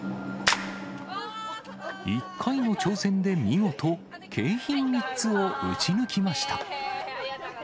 １回の挑戦で見事、景品３つを撃ち抜きました。